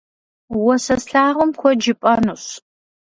Уэ сэ слъагъум куэд жыпӏэнущ.